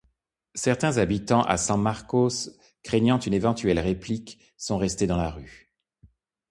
Certains habitants à San Marcos, craignant une éventuelle réplique, sont restés dans la rue.